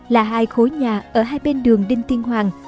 là hai khối nhà ở hai bên đường đinh tiên hoàng